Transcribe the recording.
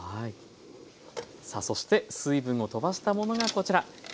さあそして水分をとばしたものがこちら。